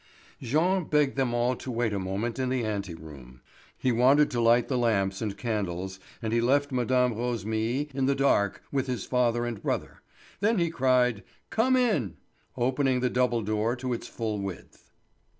Jean begged them all to wait a moment in the ante room. He wanted to light the lamps and candles, and he left Mme. Rosémilly in the dark with his father and brother; then he cried: "Come in!" opening the double door to its full width.